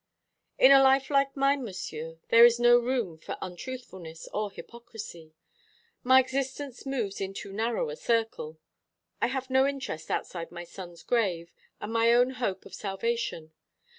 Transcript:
"In a life like mine, Monsieur, there is no room for untruthfulness or hypocrisy. My existence moves in too narrow a circle. I have no interest outside my son's grave, and my own hope of salvation.